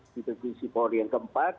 situasi polri yang keempat